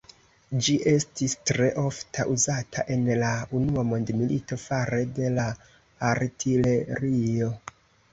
Ĝi estis tre ofta uzata en la unua mondmilito fare de la artilerio.